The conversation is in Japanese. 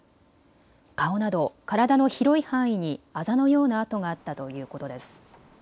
顔など体の広い範囲にあざのような痕があったということです。